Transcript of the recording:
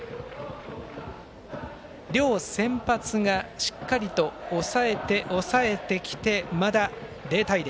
両先発が、しっかりと抑えてきてまだ、０対０。